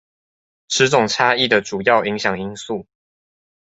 此種差異的主要影響因素